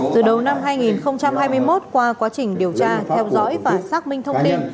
từ đầu năm hai nghìn hai mươi một qua quá trình điều tra theo dõi và xác minh thông tin